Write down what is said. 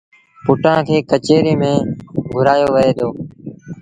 پُٽآݩ کي ڪچهريٚ ميݩ گھُرآيو وهي دو